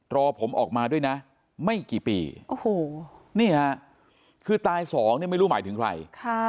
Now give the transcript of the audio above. รอผมออกมาด้วยนะไม่กี่ปีโอ้โหนี่ฮะคือตายสองเนี่ยไม่รู้หมายถึงใคร